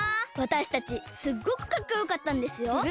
わたしたちすっごくかっこよかったんですよ。